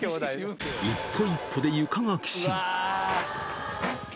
一歩一歩で床がきしむ。